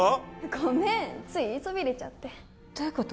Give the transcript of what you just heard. ごめんつい言いそびれちゃってどういうこと？